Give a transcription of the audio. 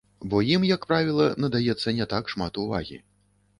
Бо ім, як правіла, надаецца не так шмат увагі.